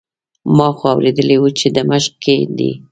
ما خو اورېدلي وو چې د مشق کې دی.